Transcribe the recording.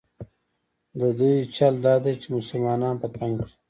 د دوی چل دا دی چې مسلمانان په تنګ کړي.